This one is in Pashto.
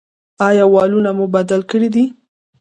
ایا والونه مو بدل کړي دي؟